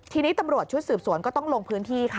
ทีนี้ตำรวจชุดสืบสวนก็ต้องลงพื้นที่ค่ะ